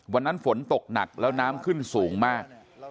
วันนั้นฝนตกหนักแล้วน้ำขึ้นสูงมาก